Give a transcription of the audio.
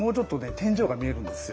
天井が見えるんですよ。